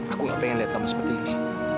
aku gak pengen lihat kamu seperti ini